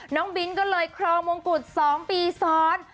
น้องบินก็เลยครองมงกุฎ๒ปีซ้อน